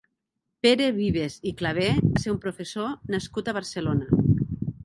Pere Vives i Clavé va ser un professor nascut a Barcelona.